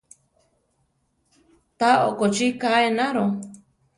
Tá okochi ká enaro.